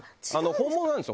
本物なんですよ